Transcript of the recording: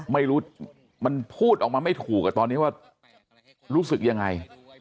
ไม่รู้มันพูดออกมาไม่ถูกตอนนี้ว่ารู้สึกยังไง